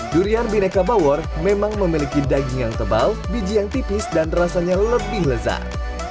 durian bineka bawor memang memiliki daging yang tebal biji yang tipis dan rasanya lebih lezat